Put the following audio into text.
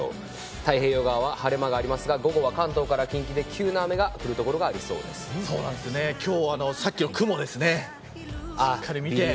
太平洋側は晴れ間がありますが午後は関東から近畿で今日は、さっきの雲ですね。